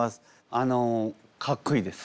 あのかっこいいです！